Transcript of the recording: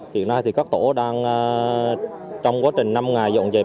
hiện nay thì các tổ đang trong quá trình năm ngày dọn dẹp